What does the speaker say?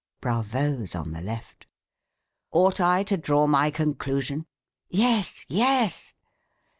(Bravos on the left.) Ought I to draw my conclusion? (_Yes! yes!